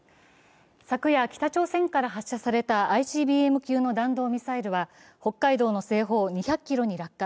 昨夜、北朝鮮から発射されたＩＣＢＭ級のミサイルは北海道の西方２００ｋｍに落下。